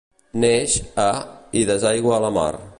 Neix a i desaigua a la mar.